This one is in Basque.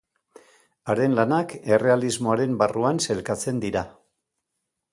Haren lanak errealismoaren barruan sailkatzen dira.